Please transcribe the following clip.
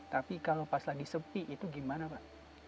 tapi kalau pas lagi sepi itu gimana pak